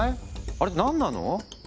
あれって何なの？